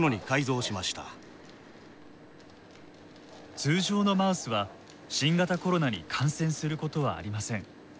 通常のマウスは新型コロナに感染することはありません。